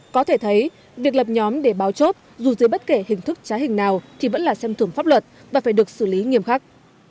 có thể thấy việc lập nhóm để báo chốt dù dưới bất kể hình thức trá hình nào thì vẫn là xem thưởng pháp luật và phải được xử lý nghiêm khắc